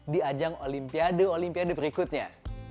di ajang olimpiade olimpiade berikutnya